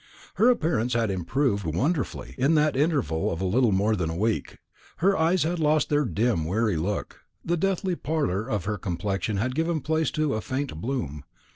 Her appearance had improved wonderfully in that interval of little more than a week. Her eyes had lost their dim weary look, the deathly pallor of her complexion had given place to a faint bloom.